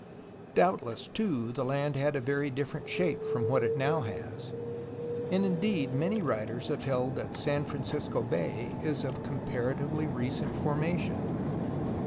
Doubtless, too, the land had a very different shape from what it now has, and, indeed, many writers have held that San Francisco Bay is of comparatively recent formation.